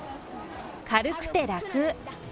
軽くて楽。